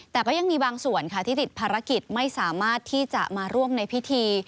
แต่ก็ยังมีบางส่วนค่ะที่ติดภารกิจไม่สามารถที่จะมาร่วมในพิธี